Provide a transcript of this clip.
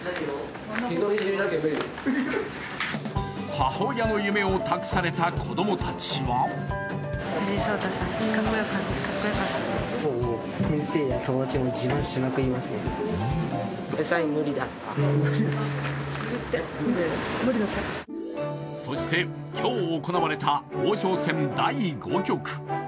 母親の夢を託された子供たちはそして、今日行われた王将戦第５局。